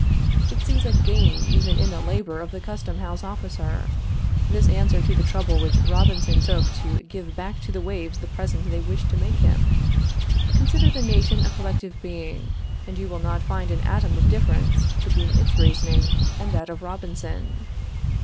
It sees a gain even in the labor of the custom house officer. This answers to the trouble which Robinson took to give back to the waves the present they wished to make him. Consider the nation a collective being, and you will not find an atom of difference between its reasoning and that of Robinson.